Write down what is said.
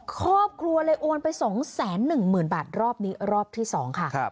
ครอบครัวเลยโอนไป๒๑๐๐๐บาทรอบนี้รอบที่๒ค่ะ